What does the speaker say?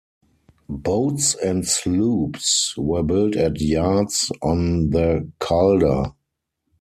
Boats and sloops were built at yards on the Calder.